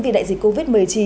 vì đại dịch covid một mươi chín